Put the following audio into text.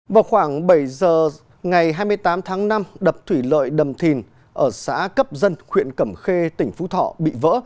vào khoảng bảy giờ ngày hai mươi tám tháng năm đập thủy lợi đầm thìn ở xã cấp dân huyện cẩm khê tỉnh phú thọ bị vỡ